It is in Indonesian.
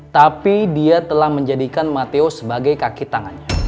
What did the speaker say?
tapi dia telah menjadikan mateo sebagai kaki tangannya